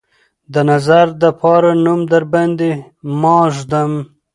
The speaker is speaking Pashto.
د نظر دپاره نوم درباندې ماه ږدم